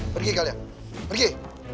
pergi kalian pergi